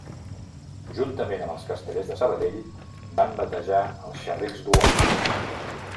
Juntament amb els Castellers de Sabadell van batejar els Xerrics d'Olot.